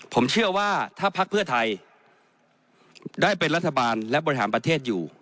ผมเชื่อว่าถ้าพักเพื่อไทยได้เป็นรัฐบาลและบริหารประเทศอยู่